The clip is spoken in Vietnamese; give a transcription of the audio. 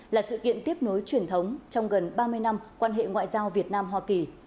là sự kiện tiếp nối truyền thống trong gần ba mươi năm quan hệ ngoại giao việt nam hoa kỳ